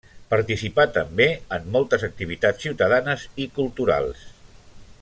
Participà també en moltes activitats ciutadanes i culturals.